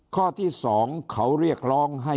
ข้อที่๒เขาเรียกร้องให้